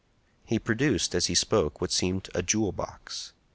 He produced, as he spoke, what seemed a jewel box.